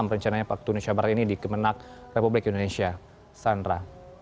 rencananya waktu indonesia barat ini di kemenang republik indonesia sandra